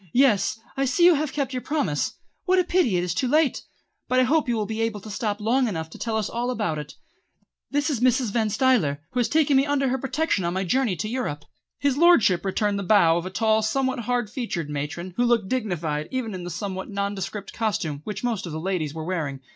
"Yes, I see you have kept your promise. What a pity it is too late! But I hope you will be able to stop long enough to tell us all about it. This is Mrs. Van Stuyler, who has taken me under her protection on my journey to Europe." His lordship returned the bow of a tall, somewhat hard featured matron who looked dignified even in the somewhat nondescript costume which most of the ladies were wearing.